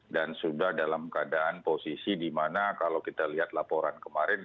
dan sudah dalam keadaan posisi di mana kalau kita lihat laporan kemarin